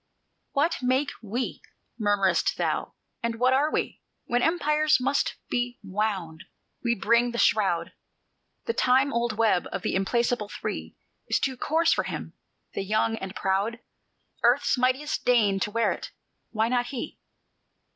"What make we, murmur'st thou? and what are we? When empires must be wound, we bring the shroud, The time old web of the implacable Three: Is it too coarse for him, the young and proud? Earth's mightiest deigned to wear it, why not he?"